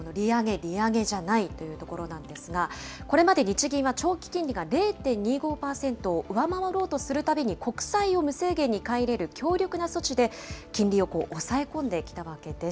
利上げじゃない？というところなんですが、これまで日銀は長期金利が０．２５％を上回ろうとするたびに、国債を無制限に買い入れる強力な措置で、金利を抑え込んできたわけです。